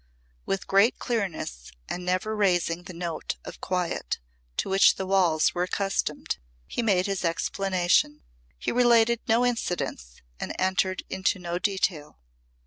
With great clearness and never raising the note of quiet to which the walls were accustomed, he made his explanation. He related no incidents and entered into no detail.